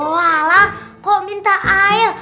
walah kok minta air